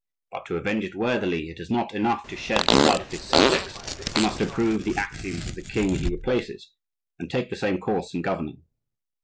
But to avenge it worthily it is not enough to shed the blood of his subjects, he must approve the axioms of the king he replaces, and take the same course in governing."